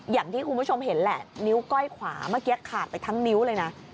อย่างที่คุณผู้ชมเห็นแหละนิ้วก้อยขวาเมื่อกี้ขาดไปทั้งนิ้วเลยนะ